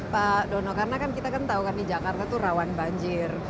pak dona karena kita tahu di jakarta itu rawan banjir